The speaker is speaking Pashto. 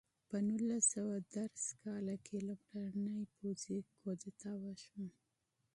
په نولس سوه دېرش کال کې لومړنۍ پوځي کودتا وشوه.